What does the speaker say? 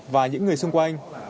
và những người xung quanh